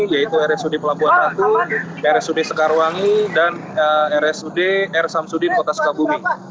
yaitu rsud pelabuhan ratu rsud sekarwangi dan rsud r samsudin kota sukabumi